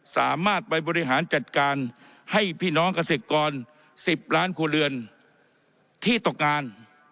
สามารถไปบริหารจัดการให้พี่น้องเกษตรกร๑๐ล้านครัวเรือนที่ตกงาน